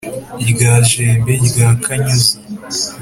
rya jembe rya kanyuza